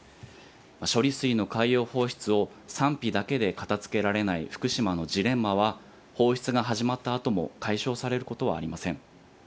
処理水の海洋放出を賛否だけで片づけられない福島のジレンマは、放出が始まったあとも解消されることはありません。